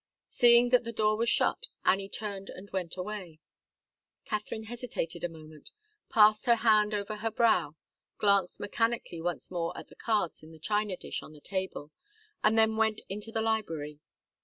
Seeing that the door was shut, Annie turned and went away. Katharine hesitated a moment, passed her hand over her brow, glanced mechanically once more at the cards in the china dish on the table and then went into the library.